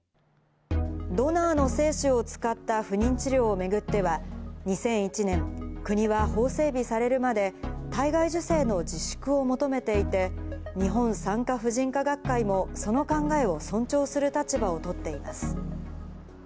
ドナーの精子を使った不妊治療を巡っては、２００１年、国は法整備されるまで、体外受精の自粛を求めていて、日本産科婦人科学会も、その考えを尊重する立場を取っています。